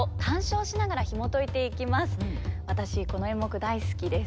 私この演目大好きです。